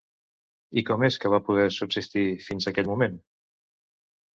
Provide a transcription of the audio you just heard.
I com és que va poder subsistir fins a aquell moment?